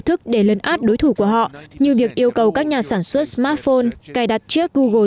thức để lấn át đối thủ của họ như việc yêu cầu các nhà sản xuất smartphone cài đặt chiếc google